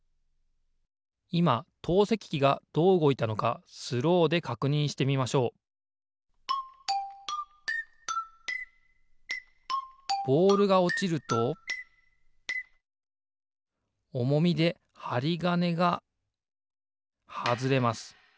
いま投石機がどううごいたのかスローでかくにんしてみましょうボールがおちるとおもみではりがねがはずれます。